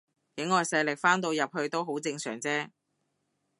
境外勢力翻到入去都好正常啫